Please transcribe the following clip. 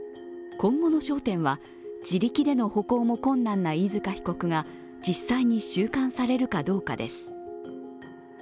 今後の焦点は自力での歩行も困難な飯塚被告が実際に収監されるかどうかです。